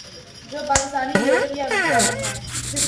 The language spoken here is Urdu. جو پاکستانی یورپ یا امریکا میں ہیں۔